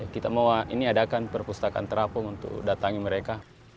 kita mau ini adakan perpustakaan terapung untuk datangi mereka